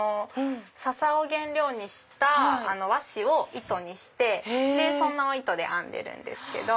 ササを原料にした和紙を糸にしてその糸で編んでるんです。